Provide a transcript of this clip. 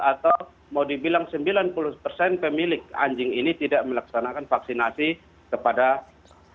atau mau dibilang sembilan puluh persen pemilik anjing ini tidak melaksanakan vaksinasi kepada masyarakat